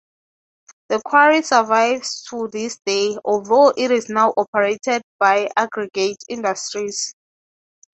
The quarry survives to this day, although it is now operated by Aggregate Industries.